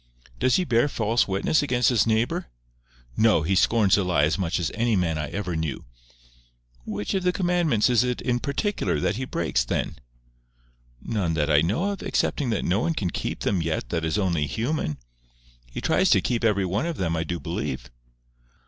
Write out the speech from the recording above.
"Does he bear false witness against his neighbour?" "No. He scorns a lie as much as any man I ever knew." "Which of the commandments is it in particular that he breaks, then?" "None that I know of; excepting that no one can keep them yet that is only human. He tries to keep every one of them I do believe."